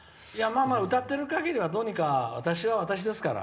歌ってる限りは、私は私ですから。